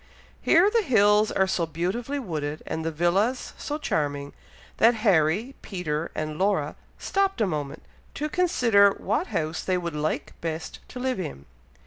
Here the hills are so beautifully wooded, and the villas so charming, that Harry, Peter, and Laura stopped a moment, to consider what house they would like best to live in.